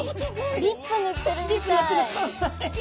リップ塗ってるみたい。